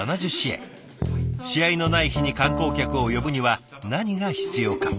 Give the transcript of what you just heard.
試合のない日に観光客を呼ぶには何が必要か？